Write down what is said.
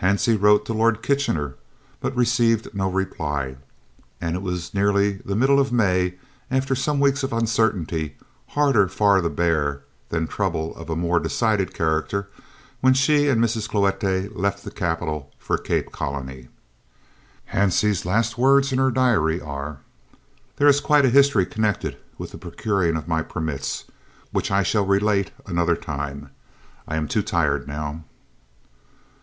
Hansie wrote to Lord Kitchener, but received no reply, and it was nearly the middle of May, after some weeks of uncertainty, harder far to bear than trouble of a more decided character, when she and Mrs. Cloete left the capital for Cape Colony. Hansie's last words in her diary are: "There is quite a history connected with the procuring of my permits, which I shall relate another time. _I am too tired now.